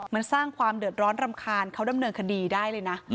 มันสร้างความเดือดร้อนรำคาญเขาดำเนินคดีได้เลยนะ